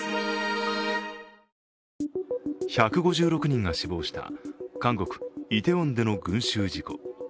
１５６人が死亡した韓国イテウォンでの群集事故。